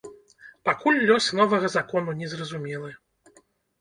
Пакуль лёс новага закону не зразумелы.